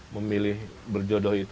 memilih berjodoh itu